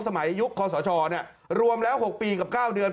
ยุคคอสชรวมแล้ว๖ปีกับ๙เดือน